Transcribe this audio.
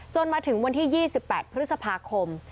มาถึงวันที่๒๘พฤษภาคม